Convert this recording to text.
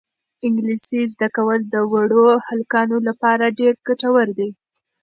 انګلیسي زده کول د وړو هلکانو لپاره ډېر ګټور دي.